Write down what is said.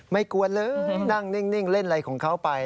กวนเลยนั่งนิ่งเล่นอะไรของเขาไป